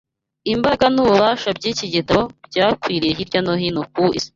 imbaraga n’ububasha by’iki gitabo byakwiriye hirya no hino ku isi